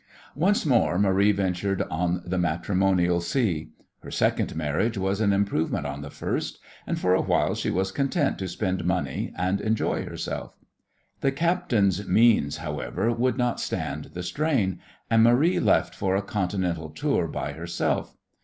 Once more Marie ventured on the matrimonial sea. Her second marriage was an improvement on the first, and for a while she was content to spend money and enjoy herself. The captain's means, however, would not stand the strain, and Marie left for a Continental tour by herself.